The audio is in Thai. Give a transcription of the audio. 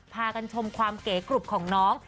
พากันชมความเก๋กรุบของน้อง